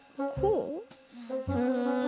うん。